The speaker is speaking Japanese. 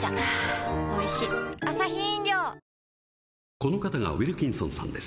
この方がウィルキンソンさんです。